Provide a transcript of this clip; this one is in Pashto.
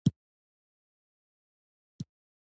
شګوفه د رڼا حساسه ده.